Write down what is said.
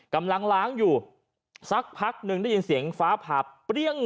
กำลังล้างอยู่สักพักหนึ่งได้ยินเสียงฟ้าผ่าเปรี้ยง